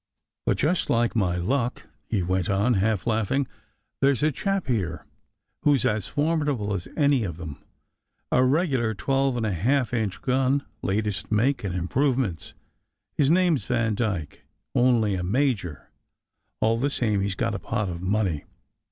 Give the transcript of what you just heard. "But, just like my luck," he went on, half laughing, "there s a chap here who s as formidable as any of them. A regular twelve and a half inch gun, latest make and im provements; his name s Vandyke; only a major; all the same he s got a pot of money.